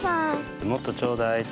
もっとちょうだいって。